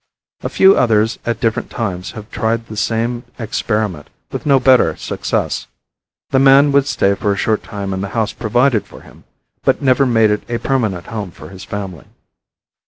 A few others at different times have tried the same experiment with no better success. The man would stay for a short time in the house provided for him, but never made it a permanent home for his family.